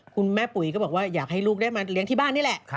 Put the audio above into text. คุณแม่ปุ๋ยก็บอกว่าอยากให้ลูกได้มาเลี้ยงที่บ้านนี่แหละ